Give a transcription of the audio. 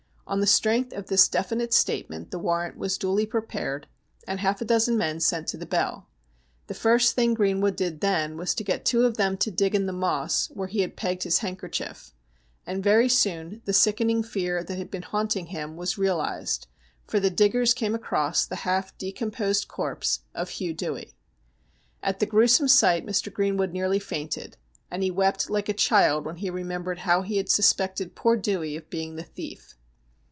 On the strength of this definite statement the warrant was duly pre pared, and half a dozen men sent to the Bell. The first thing Greenwood did then was to get two of them to dig in the Moss where he had pegged his handkerchief, and very soon the sickening fear that had been haunting him was realised, for the diggers came across the half decomposed corpse of Hugh Dewey. At that gruesome sight Mr. Green wood nearly fainted, and he wept like a child when he re membered how he had suspected poor Dewey of being the thief.